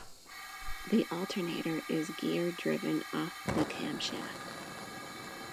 The alternator is gear-driven off the camshaft.